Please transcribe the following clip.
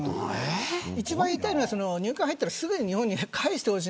一番言いたいのは入管に入ったらすぐに日本に帰してほしい。